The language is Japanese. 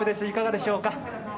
いかがでしょうか。